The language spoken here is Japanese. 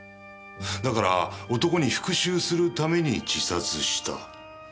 だから男に復讐するために自殺した。